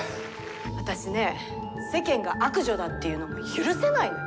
私ね世間が悪女だって言うの許せないのよ。